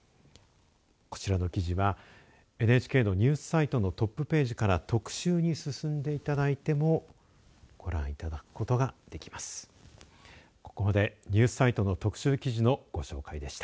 こちらの記事はＮＨＫのニュースサイトのトップページから特集に進んでいただいてもご覧いただくことができます。